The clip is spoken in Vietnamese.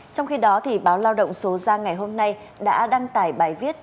trong khi đó báo lao động số ra ngày hôm nay đã đăng tải bài viết